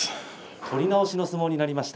取り直しの相撲になりました。